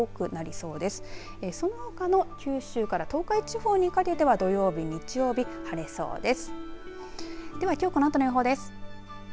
そのほかの九州から東海地方にかけては土曜日、日曜日晴れそうです。